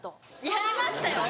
やりましたよ。